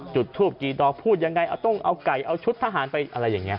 จุดทรูปจีดอกพูดอย่างไรต้องเอาไก่เอาชุดทหารไปอะไรอย่างนี้ครับ